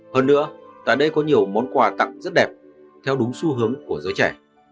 hơn nữa tại đây có nhiều món quà tặng rất đẹp theo đúng xu hướng của giới trẻ